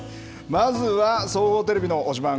まずは総合テレビの推しバン！